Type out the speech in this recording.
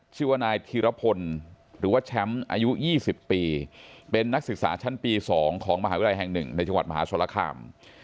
ชื่อว่านายธีรพลหรือว่าแชมป์อายุ๒๐ปีเป็นนักศึกษาชั้นปี๒ของมหาวิทยาลัยแห่ง๑ในจังหวัดมหาสรคาม